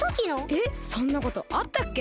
えっそんなことあったっけ？